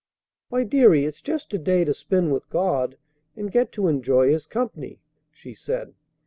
"Why, deary, it's just a day to spend with God and get to enjoy His company," she said.